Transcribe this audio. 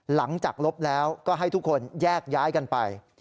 หลังจากลบแล้วก็ให้ทุกคนแยกย้ายกันไป